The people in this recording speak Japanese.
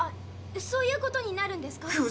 そういうことになるんですか？